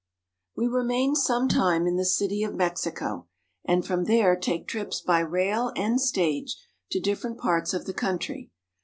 WE remain some time in the city of Mexico, and from there take trips by rail and stage to different parts of the country.